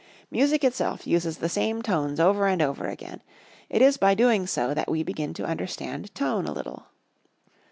Music itself uses the same tones over and over again; it is by doing so that we begin to understand tone a little.